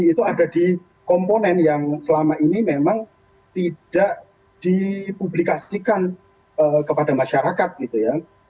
itu ada di komponen yang selama ini memang tidak dipublikasikan kepada masyarakat gitu ya